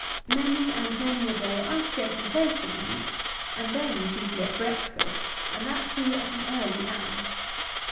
Many and many a day I scarcely taste of meat, and then chiefly at breakfast, and that, too, at an early hour.